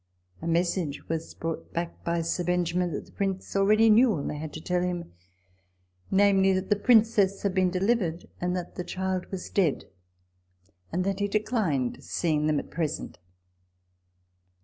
A message was brought back by Sir Benjamin, that the Prince already knew all they had to tell him, viz. that the Princess had been delivered, and that the child was dead, and that he declined seeing them at present.